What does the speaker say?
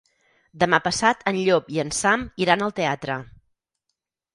Demà passat en Llop i en Sam iran al teatre.